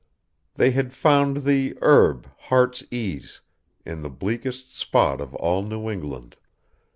They had found the 'herb, heart's ease,' in the bleakest spot of all New England.